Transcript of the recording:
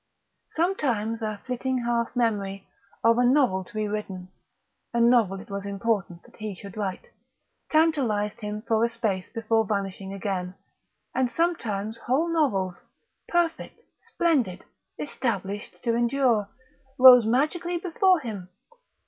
Sometimes a flitting half memory, of a novel to be written, a novel it was important that he should write, tantalised him for a space before vanishing again; and sometimes whole novels, perfect, splendid, established to endure, rose magically before him.